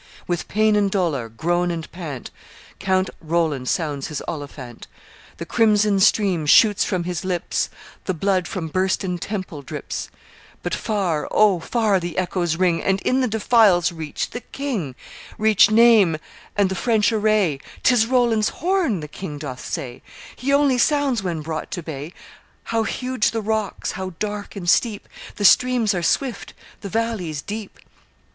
"With pain and dolor, groan and pant, Count Roland sounds his Olifant: The crimson stream shoots from his lips; The blood from bursten temple drips; But far, O, far the echoes ring, And, in the defiles, reach the king; Reach Naymes, and the French array: 'Tis Roland's horn,' the king doth say; 'He only sounds when brought to bay.' How huge the rocks! How dark and steep! The streams are swift! The valleys deep!